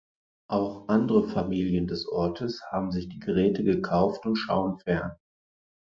Auch andere Familien des Ortes haben sich die Geräte gekauft und schauen fern.